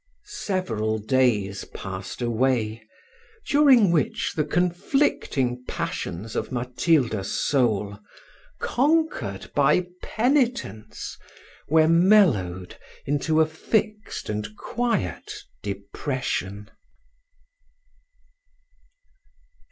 Several days passed away, during which the conflicting passions of Matilda's soul, conquered by penitence, were mellowed into a fixed and quiet depression.